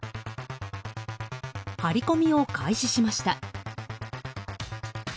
張り込みを開始しました。